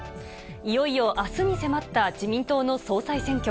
いよいよあすに迫った自民党の総裁選挙。